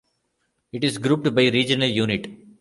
It is grouped by regional unit.